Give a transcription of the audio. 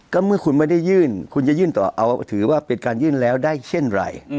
ก็เมื่อคุณไม่ได้ยื่นคุณจะยื่นต่อเอาถือว่าเป็นการยื่นแล้วได้เช่นไร